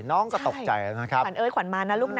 น้องก็ตกใจนะครับ